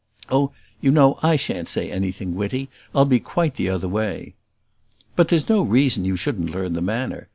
"Oh, you know I shan't say anything witty; I'll be quite the other way." "But there's no reason you shouldn't learn the manner.